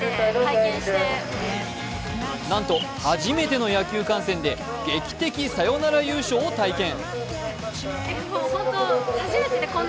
なんと初めての野球観戦で劇的サヨナラ優勝を体験。